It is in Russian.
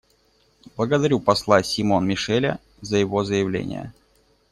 Благодарю посла Симон-Мишеля за его заявление.